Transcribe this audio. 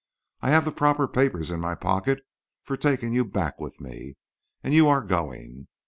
I have the proper papers in my pocket for taking you back with me, and you are going.